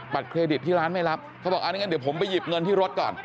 เครดิตที่ร้านไม่รับเขาบอกอ่าอย่างนั้นเดี๋ยวผมไปหยิบเงินที่รถก่อน